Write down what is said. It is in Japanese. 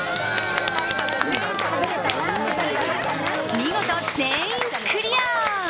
見事、全員クリア！